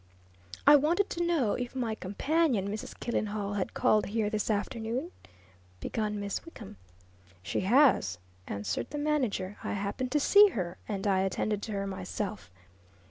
"I wanted to know if my companion, Mrs. Killenhall, had called here this afternoon?" begun Miss Wickham. "She has," answered the manager. "I happened to see her, and I attended to her myself."